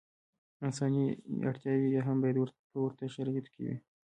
انساني اړتیاوې یې هم باید په ورته شرایطو کې وي.